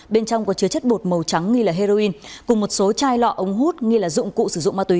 bên trong có chứa chất bột màu trắng nghi là heroin cùng một số chai lọ ống hút nghi là dụng cụ sử dụng ma túy